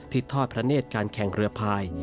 ทอดพระเนธการแข่งเรือพาย